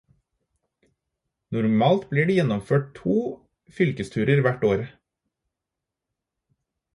Normalt blir det gjennomført to fylkesturer hvert år.